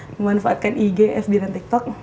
memanfaatkan ig fb dan tiktok